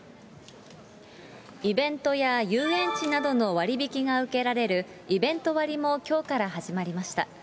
イベントや遊園地などの割引が受けられる、イベント割も、きょうから始まりました。